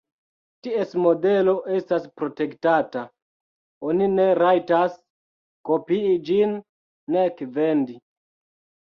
Ties modelo estas protektata: oni ne rajtas kopii ĝin, nek vendi.